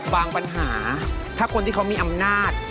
ปัญหาถ้าคนที่เขามีอำนาจ